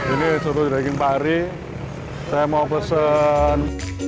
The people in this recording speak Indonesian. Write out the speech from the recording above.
ini soto daging pak ari saya mau pesan